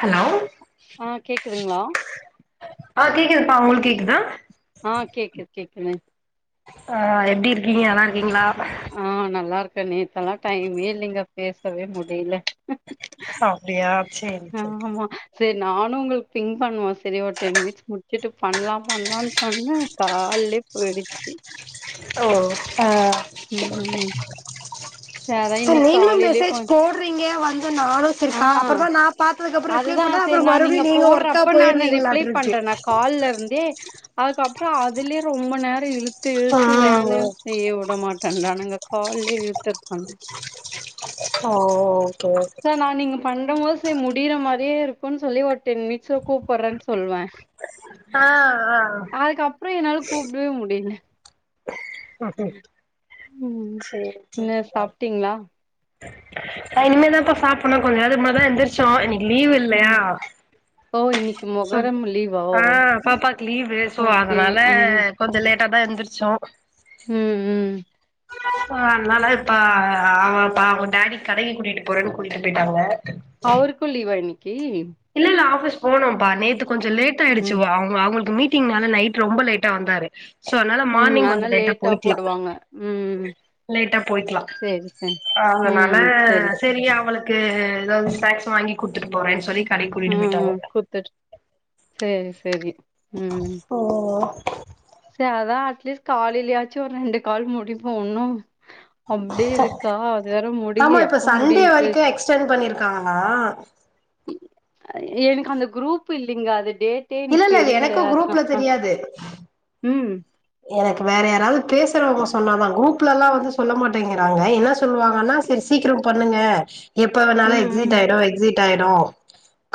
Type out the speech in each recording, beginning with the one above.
Hello கிறீங்ளா ஆஹ் கேக்குதுப்பா உங்ளுக் கேக்குதா ஆஹ் கேக்கு கேக்குங்க ஆஹ் எப்டி இருக்கீங்க நலாரு ஆஹ் நல்லா இருக்கே நேத்தெல்லா டைமே இல்லைங்க பேசவே முடில அப்டியா சேரி சேரி சேர் நானு உங்ளுகு பிங் பண்ணுவோ செரி ஒர் டென் மினிட்ஸ் முட்ச்சுட்டு பண்ணலாம் பண்ணலாம் னு பண்ணேன் கால் அல்லே போய்டுச்சு ஓ ஆ ம் சரி அதா சோ இன்னைக்கு நீங்குளு காலையிலயே மெசேஜ் கொஞ்ச போடுறீங்க வந் வ நானு ஆ திருக்கா அப்புறதா நா பாத்ததுக்கப்புறு ரிப்ளே அதுதா பண்ணா சரி அப்புறு நா மறுவ்டி நீங்க ஒர்க்க போடுறப்ப நானு ரிப்ளை போய்ருறீங்குளாட்டு இருன்ச்சு பண்றே நா கால்ல இருந்தே அதுகப் ப்றா அதுலே ரொம்பா நேர இழுத்து இழுத்து வேலையு ம் செய்ய விட மாட்றானானுங்க கால்லே எட்த்திருக்கணு ஓ ஓகே ஓகே சார் நா நீங்க பண் ணமோது சே முடிற மாரியே இருக்குன் சொல்லி ஓர் டென் மினிட்ஸ்ல கூப்படுறேன் சொல்வ ஆ ஆ அதுக்கப்றோ என்னால கூப்டே முடில [inaudible] ம் சேர் சேர் என்ன [unintelligible] சாப்ட்டீங்களா நா இனிமேல் தான்கா சாப்புட்னோ கொஞ்ச நேரத்க் முன்னாடி தா எந்திர்ச்சோ இன்னைக்கு லீவ் இல்லையா ம் ஓ இன்னைக்கு சோப் மொகரம் லீவா ஓ ஆஹ் பாப்பாக்கு லீவு சோ ஓகே அதனால கொஞ்சோ லேட் ட்டாதா எந்திரிச்சோ உம் உம் இப்ப அன்னால இப்போ அவுங்கப்பா டாடி கடைக்கி கூட்டிட்டு போறேன்னு கூட்டிட்டு போய்ட்டாங்க அவருக்கும் லீவா இன்னைக்கி போனோம்பா நேத்து கொஞ்சோ லேட் ஆயிடுச்சு ம் வா அவுங்க அவுங்ளுக்கு மீட்டிங்னால நைட் ரொம்ப லேட்டா வந்தாரு சோ அதுனால ம் மார்னிங் கொஞ்ச அதனால லேட்டா போயிட்டு போடுவாங்க ம் லேட்டா போய்க்லா சேரி சேரி அ அதுனால ம் சேரி செரி சேரி அவளுக்கு கு ஏதாவ்து ஸ்னாக்ஸ் வாங்கி குட்த்துட்டு போறேன்னு சொல்லிட் ம் ம் குட்துட் சேரி சேரி உம் ஓ சே அதா அட்லீஸ்ட் காலேலியாச்சு ஒரு ரெண்டு கால் முடிப்போ ஒன்னு அப்டியே இருக்கா அது வேற முடியல எப்ப முடியிர்து தான் எ எனக்கு அந்த குரூப் இல்லீங்க அது டேட்டே இல்ல எனக் இல்ல தெரீல எனக்கு அத நா குரூப்ல அஹ் தெரியாது ம் எனக்கு வேற யாராவது பேசுறவுங்க சொன்னாதான் குரூப்லல்லா வந்து சொல்ல மாட்டேங்கிறாங்க என்ன சொல்லுவாங்கன்னா அஹ் செரி சீக்கிரம் பண்ணுங்க எப்ப வேணாலு ம் ம் எக்ஸிட் ஆய்ரு எக்ஸிட் ஆய்ரு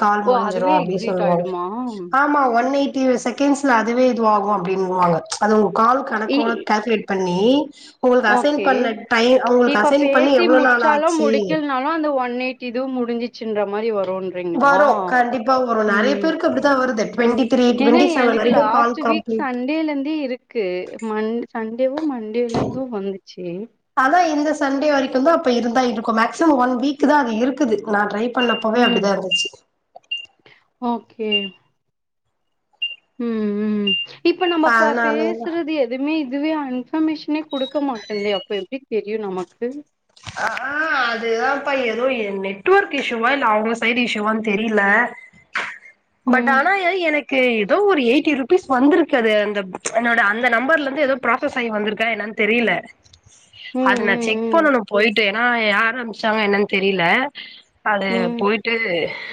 கால் ஓ முடிஞ்சிரு அதுவே அப்டீ எக்ஸிட் சொல்லுவாங்க ஆயிடுமா ஆமா ஒன் எய்ட் ட்டி செக்கண்ஸ்லே அதுவே இதுவாகு அப்பிடின்னுவாங்க அது உங்க கால் இ கணக்கோட கால்குலேட் பண்ணி உங்களக்கு அசைன் பண்ண டை அவுங்குளுக்கு அசைன் பண்ணி சி எவ்ளோ நாள் முட்ச்சாலு ஆச்சு முடிக்கலன்னாலு அந்த ஒன் எய்ட்டி இதுவு முடிஞ்சுருச்சுன்ற மாரி வரு வரு கண்டிப்பா வரு நெறைய ம் பேருக்கு இப்டிதா வருது டுவெண்டி த்ரீ ஏன்னா டுவெண்டி செவன் எனக்கு வரைக்கு கால் லாஸ்ட்டு வீக் கம்ப்ளீட் சண்டேலர்ந்தே இருக்கு மண்ட் சண்டேவோ மண்டேலர்ந்தோ வந்துச்சு அதா இந்த சண்டே வரைக்குந்தா அப்ப இருந்தா இருக்கு மாக்சிம் ஒன் வீக்கு தா அது இருக்குது நான் ட்ரை பண்ணப்போவே ம் அப்டிதா இருந்துச்சு ஓகே உம் உம் இப்ப நம்ம பா அதனாலயேதா பேசுறது எதுவுமே இதுவே இன்ஃபர்மேஷனே குடுக்க மாட்டேந்தே அப்ப எப்பிடி தெரியும் நமக்கு அஹ் ஆஹ் அதுதான்ப்பா ஏதோ என் நெட்வொர்க் இஷ்யூவா இல்ல அவங்க சைடு் இஷ்யூவான்னு தெரியலே பட் ம் ஆனா எ எனக்கு ஏதோ ஒரு எய்ட்டி ருப் பீஸ் வந்திருக்கு அந்த என்னோட அந்த நம்பர்ல இருந்து ஏதோ ப்ராசஸ் ஆயி வந்திருக்கா என்னன்னு தெரியல ம் அது நான் செக் ம் பண்ணணும் போயிட்டு ஏன்னா யார் ஆரம்பிச்சாங்க என்னன்னு தெரியல அது ம் ம் போயிட்டு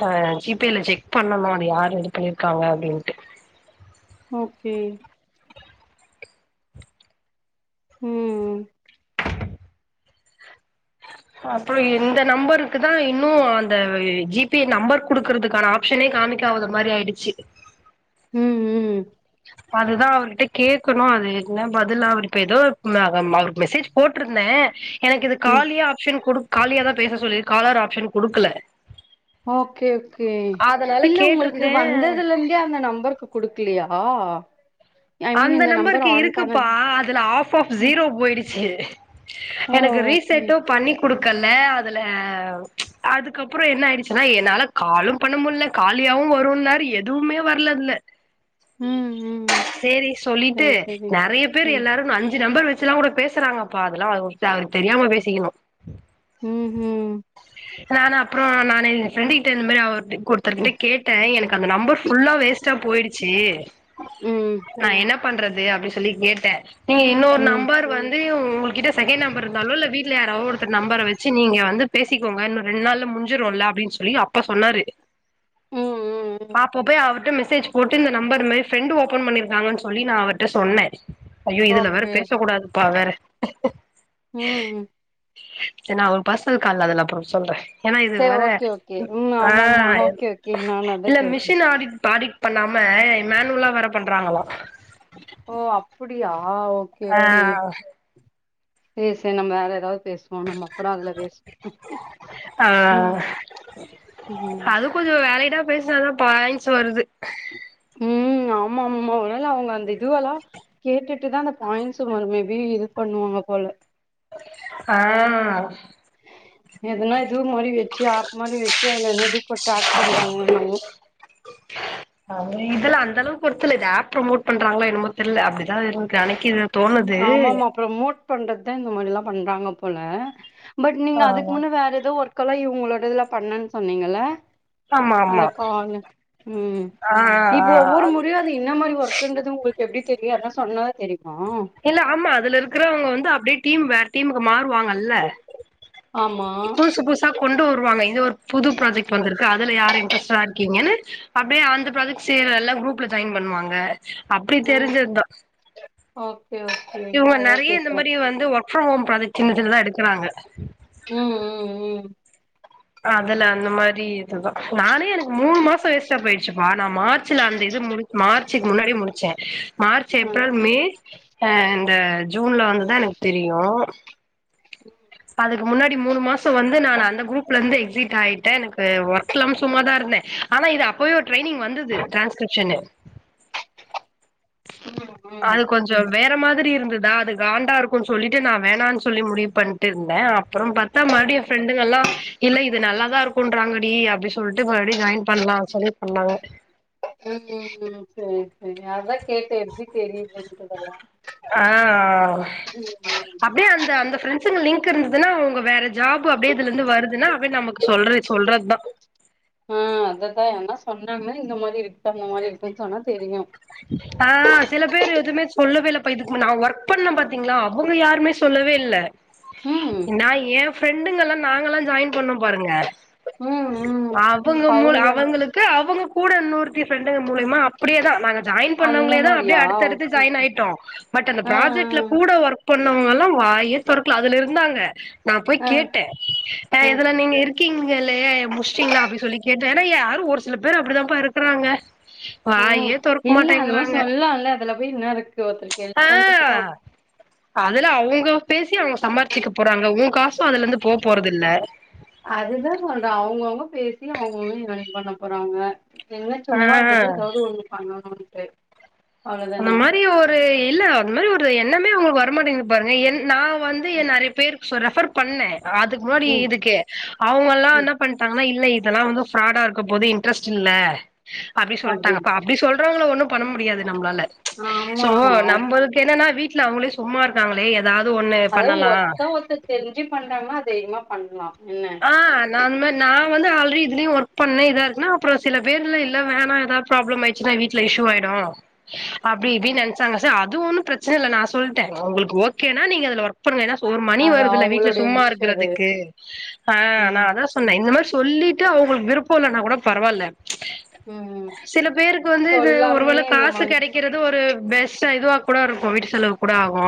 அஹ் ஜீ பே ல செக் பண்ணணும் அது யார் இது பண்ணிருக்காங்க அப்பிடின்ட்டு ஓகே உம் அப்புறம் இந்த நம்பருக்கு தான் இன்னும் அந்த ஜீ பே நம்பர் குடுக்கறதுக்கான ஆப்ஷனே காமிக்காவது மாதிரி ஆயிடுச்சு ம் உம் அதுதான் அவர்கிட்ட கேக்கணும் அது என்ன பதில் அவர் இப்ப ஏதோ மஹ் அவருக்கு மெசேஜ் போட்டிருந்தேன் எனக்கு இது ம் காலியா ஆப்ஷன் குடு காலியா தான் பேச சொல்லி காலர் ஆப்ஷன் குடுக்கல ஓகே ஓகே அதனால இல்ல உங்களுக்கு கேட்ருந்தே வந்ததுல இருந்தே அந்த நம்பருக்கு குடுக்கலையா ஓஹ் அந்த நம்பருக்கு இருக்குப்பா அதுல ஆப் ஆப் ம் ஜீரோ போயிடுச்சு ஓ எனக்கு ஓகே ரீசெட்டும் பண்ணி குடுக்கல அதுல அதுக்கப்புறோ என்ன ஆயிடுச்சுன்னா என்னால காலும் பண்ண முட்ல காலி யாவு வரும்னார் எதுவுமே வரல அதுல ம் ம் சேரி சொல்லிட்டு சரி சரி நெறைய பேரு ம் எல்லாரும் ந அஞ்சு நம்பர் வெச் ச்சுல்லா கூட பேசுறாங்கப்பா அதுல்லா [unintelligible] தெரியாம பேசிக்கிணும் ம் ம் அப்புறம் நானு என் ஃப்ரெண்டு கிட்ட இந்த மாரி அவர்டே குடுத்தருக்கிட்ட கேட்டேன் எனக்கு அந்த நம்பர் ஃபுல்லா வேஸ்ட்டா போயிடுச்சி ம் ம் இ நா என்ன பண்றது அப்டி சொல்லி கேட்டேன் சேரிங்க இன்னொரு ம் நம்பர் வந்து உங்குள்கிட்ட செகண்ட் நம்பர் இருந்தாலோ இல்ல வீட்ல யாராவோ ஒருத்தர் நம்பர வெச்சு நீங்க வந்துட் பேசிக்கோங்க இன்னும் ரெண்ட் நாள்ல முஞ்சுருல்ல அப்புடின்னு சொல்லி அப்ப சொன்னாரு ம் ம் அப்போ போய் அவர்ட்ட மிஸ் சேஜ் போட்டு இந்த நம்பர் மே ஃப்ரெண்ட்டு ஓபன் பண்ணிருக்காங்கன்னு சொல்லி நான் அவர்ட்ட சொன்னே ஐயோ இதுல வேற ஓகே பேசக் கூடாதுப்பா வேற ம் ச நா ஒரு பஸ்னல் கால்ல அதுல அப்பறொ சொல்ற ஏன்னா இது சேரி வர ஓகே ஓகே ம் ஆ ஆமாமா ஓகே ஓகே நானு அதா இல்ல கேட்டே மிஷின் ஆடிட் ப ஆடிட் பண்ணா ம மேனுவலா வேற பண்றாங்களா ஓ அப்டியா ஆ சே சே நம்ம வேற ஏதாவ் பேசுவோ நம்ம அப்றொ அதுல பேசு ஆ ம் அது [unintelligible] பேஸ்னாதா பாய்ன்ட்ஸ் வருது ம் ம் ஆமா ஆமா அனால அவ்ங்க அந்த இதுவெல்லா கேட்டுட்டுதா அந்த பாய்ண்ட்ஸு மேபி இது பண்ணுவாங்க போல ஆ எதுனா இது மாரி வெச்சு ஆப் மாரி வெச்சு அதுல என்ன இது போ ட்ராக் பண்றாங்களோ என்னவோ அங்க இதுலா ஒர்த்துல இது ஆப் ப்ரமோட் பண்றாங்களோ என்னமோ தெர்ல அப்டிதா இருக்கு அன்னக்கி ஆமாமா ப்ரமோட் பண்றத்தா இந்த மாரில்லா பண்றாங்க போல பட் நீங்க ஆ அதுக்கு முன்ன வேற எதோ ஒர்க்கெல்லா இவ்ங்களோடதுல பண்ணன் சொன்னீங்கல்ல ஆமா ஆமா அந்த கால் ம் ஆ இப்ப ஆ ஒவ்வொரு முறையு அது இன்ன மாரி ஒர்க்குன்றது உங்கள் எப்டி தெரியு யார்னா சொன்னதா தெரிமா இல்ல ஆமா அதுல இருக்றவங்க வந்து அப்டே டீம் வேற் டீமுக்கு மாறுவாங்கல்ல ஆமா புதுசு புதுசா கொண்டு வருவாங்க இது ஒரு புது ப்ராஜெக்ட் வந்துருக்கு அதுல யாரு இன்ட்ரெஸ்ட்டா இருக்கீங்கன்னு அப்டியே அந்த ப்ராஜெக்ட் செய்யற எல்லாரும் க்ரூப்ல சைன் பண்ணுவாங்க அப்டி ஆ தெரிஞ்சதுதா ஓகே ஓகே இவங்க அதா நெறையா இந்த கேக்குறே மாரி வந்து ஒர்க் ஃப்ரம் ஹோம் ப்ராஜெக்ட் சின்னசின்னதா எடுக்குறாங்க ம் ம் ம் அதுல அந்த மாரி இதுதா நானே எனக்கு மூணு மாசோ வேஸ்ட்டா போயிடுச்சுப்பா நா மார் ச்சுல அந்த இது முடி மார்ச்சுக்கு முன்னாடியே முடிச்சேன் மார்ச் ம் ஏப்ரல் மே அ இந்த ஜூன்ல வந்துதா எனக்கு தெரியும் அதுக்கு முன்னாடி மூணு மாசம் வந்து நானு அந்த குரூப்ல இருந்து எக்ஸிட் ஆயிட்டே எனக்கு ஒர்க் இல்லாம் சும்மாதா இரு இல்ல ஆனா இது அப்பவே ட்ரைனிங் வந்துது ட்ரான்ஸ்க்ரிப்ஷன்னு ஆ அது கொஞ்சொ வேற மாதிரி ருந்துதா அது காண்டா இருக்குன் சொல்லிட்டு நா வேணான் சொல்லி முடிவு பண்ட்டு இருந்தே அப்பறோம் பாத்தா மறுடியு எ ஃப்ரெண்டு ல்லா இல்ல இது நல்லாதா இருக்குன்றாங்கடி அப்டி சொல்ட்டு மறுபடி ஜாய்ன் பண்லா சொல்லி பண்ணாங்க ம் ம் ம் செரி செரி அதா கேட்டே எப்டி தெரியுதுன்றதல்லா ஆ அப்டியே அந்த அந்த ஃப்ரெண்ஸுங்க லிங்க் இருந்துதுன்னா அவுங்க வேற ஜாப் அப்டியே இதுல இருந்து வருதுன்னா அப்டே நமக்கு சொல்றே சொல்றத் தா ஆ அததா யார்னா சொன்னாங்க இந்த மாரி இருக்கு அந்த மாரி இருக்குன் சொன்னா தெரியு ஆ சில பேர் எதுமே சொல்லவே இல்லப்பா இதுக் நா ஒர்க் பண்ணெ பாத்திங்களா அவுங்க யாருமே சொல்லவே இல்ல ம் நா எ ஃப்ரெண்டுங்கல்லா நாங்கல்லா ஜாய்ன் பண்ணோ பாருங்க ம் ம் அவங்க மூல அவுங்க அந்த அவங்களுக்கு அவங்க கூட இன்னோர்த்தி ஃப்ரெண்டுங்க மூலியமா அப்டியேதா ஜாய்ன் அந்த பண்ணவங்ளே தா அப்டியே மாரியா அடுத்தடுத்து ஓகே ஜாய்ன் ஆய்ட்டோ பட் அந்த ஆ ப்ராஜெக்ட்ல கூட ஒர்க் பண்ணவங்கல்லா வாயே தொறக்ல அதுல இருந்தாங்க நா போய் ஆ ஆ கேட்டே அ ஆ இதுல நீங்க இருக்கீங்களே முச்டீங்ளா அப்டி சொல்லி கேட் டே ஏன்னா யாரு ஒரு சில பேர் அப்டிதா பா இருக்குறாங்க ஆ ம். வாயே தொர இல்ல அந்த மார் சொல்லால்ல அதுல போய் என்ன இருக்கு ஒருத்தருக்கு ஹெல்ப் பண்றதுல ஆ அதுல அவுங்க பேசி அவ்ங்க சம்பாருச்சுக்க போறாங்க ஒன் காசு அதுல இருந்து போ போறது இல்ல அதுதா சொல்றே அவ்ங்க அவ்ங்க பே இல்ல அவ்ங் அவ்க ஏன் பண்ண போறாங்க என்ன ஆ சும்மா இருக்கது ஏதாவது ஒன்னு பண்ணணு டு அந்த மாரி ஒரு இல்ல அந்த மாரி ஒரு எண்ணமே அவ்ங்கள்க்கு வரமாட்டேங்குது பாருங்க என் நா வந்து எ நெறைய பேருக்கு சொ ரெஃபர் பண்ணே அதுக் முன்னாடி ம் இதுக்கு அவுங்கல்லா ம் என்னா பண்ட்டாங்னா இல்ல இ தல்லா வந்து ஃப்ராடா இருக்க போது இன்ட்ரெஸ்ட் இல்ல அப்டி சொல்ட்டாங்க அப்டின்னு பா அப்டி சொல்றவங்கள ஒன்னு பண்ண முடியாது நம்ளால ஆமா சோ ஆமா நம்பளுக்கு என்னனா வீட்ல அவுங்களே சும்மா இருக்காங்களே ஏதாவது ஒண்ணு அதாவது பண்ணலா ஒர்த்த ஒர்த்த தெருஞ்சு பண்றாங்கன்னா தைரிமா பண்லா என்ன ஆ நா அந் மாரி நா வந்து ஆல்ரெடி இதுலயு ஒர்க் பண்ணே இதாருக்குனா அப்றோ சில பேர்ல இல்ல வேனா எதா ப்ராப்ளம் ஆய்ச்சுனா வீட்ல இஷ்யூவாய்டு அப்டி இப்டின் நென்ச்சாங்க சே அ அது ஒன்னு ப்ரச்சன இல்ல நா சொல்ட்டே ஒங்களுக்கு ஓகேனா நீங்க அதுல ஒர்க் பண்ணுங்க ஏனா ஒரு மணி அது வருதுல வீட்ல அவங்களுடைய சும்மா விஷயோ அது இருக்கறதுக்கு ஆ நா ம் அதா சொன்னே இந்த மாரி சொல்லிட்டு அவுங்களுக் விருப்பொ இல்லனா கூட பரவால்ல ம் சில பேருக்கு வந்து இது ஒரு வேள சொல்லாமயே இந்த காசு மாரி கெடைக்கிறது ஒரு பெஸ்ட்டா இதுவா கூட இருக்கு வீட்டு செலவுக் கூட ஆகு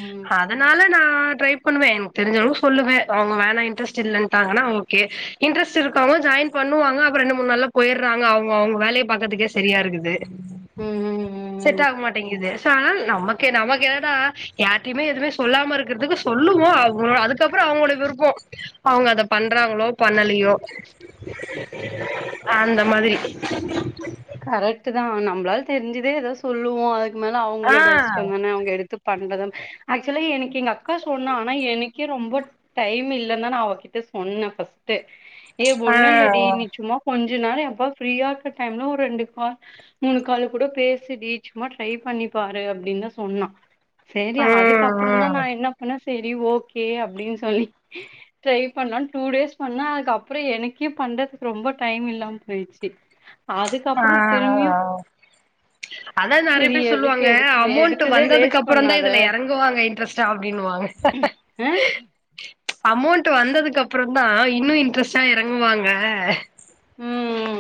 ம் அதுனால நா ட்ரை பண்ணுவே எனக்கு தெருஞ்ச அளவுக்கு சொல்லுவே அவங்க வேணா இன்டரெஸ்ட் இல்லன்ட்டாங்கனா ஓகே இன்ட்ரெஸ்ட் இரு கம்முனு ஜாய்ன் பண்ணுவாங்க அப்பற ரெண்டு முணு நாலுல போயற்றாங்க அவுங்க அவுங்க வேலய பாக்கற்துகே சரியா இருக்குது ம் ம் ம் ம். செட் ஆக மாட்டேங்குது சோ அதுனால நமக்கு நமக்கு என்னனா யார்டயுமே எதுமே சொல்லாம இருக்கறதுக்கு சொல்லுவோ அவ அதுக்கப்பறோ அவுங்களுடய விருப்போ அவுங்க அத பண்ற பண்றாங்களோ பண்ணலயோ அந்த மாதிரி கரெக்ட்டு தா நம்மளால தெரிஞ்சதே ஏதாது சொல்லுவோ அதுக்கு மேல ஆ அவுங்களோட இஷ்டம் தான அவுங்க எடுத்து பண்றதும் ஆக்சுவலி எனக்கு எங்க அக்கா சொன்னா ஆனா எனக்கே ரொம்ப டைம் இல்லன் தா நா அவகிட்ட சொன்னெ ஃபஸ்ட்டு ஏ ஆ ஒண்ணு இல்லடி நீ சும்மா கொஞ்ச நேரோ எப்ப ஃப்ரீயா இருக்க டைம்ல ஒரு ரெண்டு கால் மூணு கால் கூட பேசுடீ சும்மா ட்ரை பண்ணிப்பாரு அப்டின் தா சொன்னா சேரி ம் அதுக்கப்பறந் தா ம் நா என்ன பண்ணே சேரி ஓகே அப்டின் சொல்லி ட்ரை பண்ணா டூடேஸ் பண்ணா அதுக்கப்றோ எனக்கே பண்றதுக்கு ரொம்ப டைம் இல்லாம போய்ச்சு ஆ அதுக்கப்றோ ஆ திரும்பியு ஆ அதா நெறைய பேர் சொல்லுவாங்க அமோண்ட்டு எடுத்ததே வந்ததுக்கு வேஸ்ட் அப்பறோ தா பண்ணாத இதுல எறங்குவாங்க இன்ட்ரஸ்ட்டா அப்டினுவாங்க அ அமோண்ட்டு வந்ததுக்கு அப்றோ தா இன்னு இன்ட்ரஸ்டா எறங்குவாங்க உம்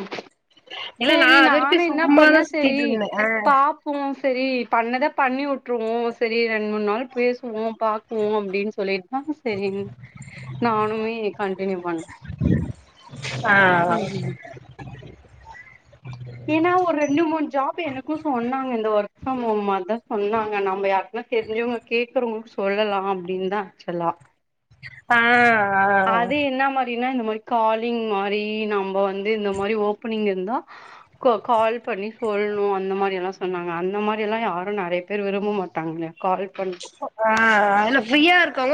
இல்ல நா சரி அது வரைக்கு நானும் என்ன சும்மாதா பண்ணேன் சரி சுத்திட்ருந்தே பாப்போம் சரி பண்ணதை பண்ணி விட்ருவோம் சரி ரெண்டு மூணு நாள் பேசுவோம் பார்க்வோம் அப்படின்னு சொல்லி ஆஹ சரி நானுமே கண்டினியூ பண்ணேன் ஆ ஏன்னா ஒரு ரெண்டு மூணு ஜாப் எனக்கும் சொன்னாங்க இந்த வொர்க் ஆமா ஆமா அததான் சொன்னாங்க நம்ம யாருக்குன்னா தெரிஞ்சவங்க கேடக்குறவங்களுக்கு சொல்லலாம் அப்படின்னு தான் ஆச்சலாம் ஆஹ் என்ன ஆஹ் மாரினா இந்த மாதிரி காலிங் மாதிரி நம்ம வந்து இந்த மாதிரி ஓபனிங் இருந்தா கால் பண்ணி சொல்லணும் அந்த மாதிரி எல்லாம் சொன்னாங்க அந்த மாதிரி எல்லாம் யாரும் நிறைய பேர் விரும்ப மாட்டாங்களே கால் பண்ணி ஆஹ் அதல்ல ஃப்ரீயா இருக்காங்க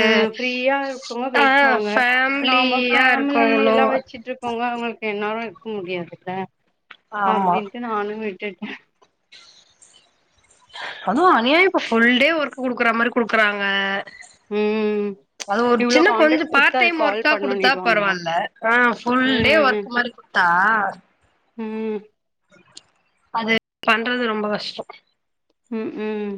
அஹ் ஃப்ரீயா இருக்கங்க ஆ பேசுவாங்க நாம ஃபேமிலியா ஃபேமிலி இருக்கவங்களோ எல்லாம் வச்சுட்டு இருக்கங்க அவங்களுக்கு என்னாலும் இருக்க முடியாதுல்ல ஆமா அப்படின்னு நானும் விட்டுட்டேன் அதுவும் அனியா இப்ப புல் டே ஒர்க் குடுக்குற மாதிரி குடுக்குறாங்க உஹம் அது ஒரு சின்ன கொஞ்சம் பார்ட் டைம் கால் ஒர்க்கா குடுத்தா பண்ணணுனிடுவாங்களா பரவாயில்ல ஆஹ் ஃபுல் டே ம் வொர்க் சொல்லிகொடுத்தா உம் அது பண்றது ரொம்ப கஷ்டம் உம் உம்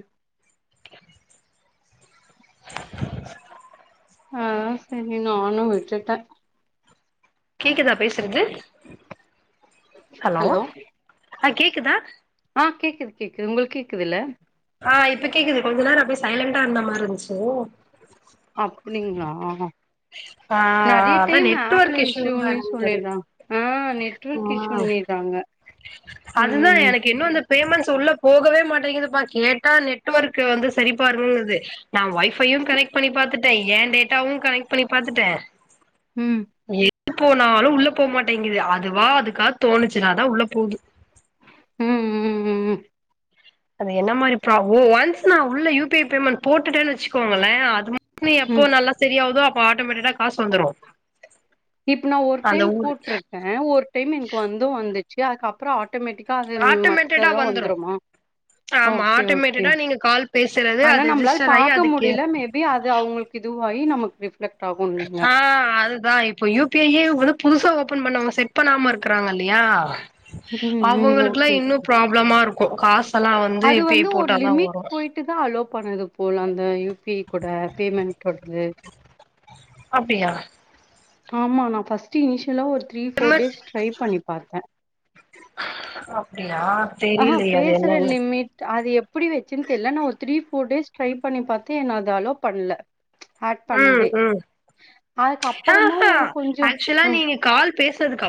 ஆஹ் சரி நானும் விட்டுட்டேன் கேக்குதா பேசுறது ஹலோ ஆஹ் கேக்குதா ஆஹ் கேக்குது கேக்குது உங்க கேக்குது இல்ல ஆஹ் இப்ப கேக்குது கொஞ்ச நேரம் அப்படி சைலண்டா இருந்த மாதிரி இருந்துச்சு அப்படிங்களா ஆஹ் அதான் நெட்வொர்க் இஸ்யூ இஷ்யூன்னே இருந்து சொல்லிறாங்க ஆ நெட்வொர்க் இஷ்யூன்னிறாங்க ம் அதுதான் எனக்கு இன்னும் பேமெண்ட்ஸ் உள்ள போகவே மாட்டேங்குதுப்ப கேட்டா நெட்ஒர்க் வந்து சரிப்பா இருது நான் வைப் வைஃபை யும் கனெக்ட் பண்ணி பாத்துட்டேன் ஏன் டேட்டாவும் கனெக்ட் பண்ணி பாத்துட்டேன் உம் எது போனாலும் உள்ள போகமாட்டேங்குது அதுவா அதுக்காக தோணுச்சுனாதான் உள்ள போகுும் உம் உம் உம் உ அது என்ன மாதிரி உள்ள ிமண்ட் போட்டுட்டேன்னு வச்சுக்கோங்களன் அது மாதிர நீ எப்போ ம் நல்லா சரியகுதோ அப்போ ஆட்டோமேட்டிக்கா காசு வந்துடும் இப்ப நான் ஒரு டைம் போட்டிருக்கேன் ஒரு டைம் எனக்கு வந்தோ வந்துச்சு அதுக்கப்புறம் ஆட்டோமேட்டிக்கா அது ஆட்டோமேட்டடா மதல்லாம் வந்துரு வந்துருமா ஆமா ஓகே ஓகே ஆட்டோமேட்டடா நீங்க கால் பேசுறது ஆனா அது நம்மளால் ரிஜிஸ்டர் ஆயி பாார்கக்க அதுக்கு முடியல மேபி அது அவங்களுக்கு இது நமக்கு ரிஃப்ளெக்ட் ஆகுன்றீங்க ஆஹ் அதுதான் இப்பயும் இப்பயே வந்து புதுசா ஓபன் பண்ணாங்க செட் பண்ணாம இருக்கிறாங்க இல்லையா ம் ம் ஓகே அவங்களுக்குெல்லாம் ஓகே இன்னும் ப்ராப்ளமா இருக்கும் காச எல்லாம் வந்து அது பேய் ஒரு போட்டாதான் லிமிட் வரும் போயிட்டு தான் அலோவ பண்ணது போல அந்த யுபிஐ கூட பேமெண்ட்டது அப்பியா ஆமா நான் ஃபர்ஸ்ட்ட் இனிஷியலா ஒரு த்ரீ ஃோர் டேஸ் ட்ரை பண்ணி பார்த்தேன் அப்டியா ஆஹ் தெரியலையே அது பேசுற என்னன்னு லிமிட் அது எப்படி வச்சுன்னு தெரியில நா ஒருத்த டேஸ் ட்ரை பண்ணி பார்த்து என் அதது அலோ பண்ணல ஆட் ம் பண்ணுவே ம் அதுக்கப்பறமு ஒரு கொஞ்ச ம் பேசறதுக்க